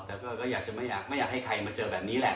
แต่ก็อยากจะไม่อยากให้ใครมาเจอแบบนี้แหละ